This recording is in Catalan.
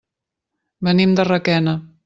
Venim de Requena.